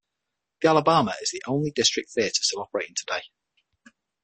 The Alabama is the only district theater still operating today.